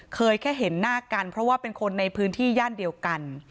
แค่เห็นหน้ากันเพราะว่าเป็นคนในพื้นที่ย่านเดียวกัน